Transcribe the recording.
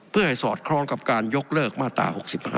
เพื่อให้สอดคล้องกับการยกเลิกมาตรา๖๕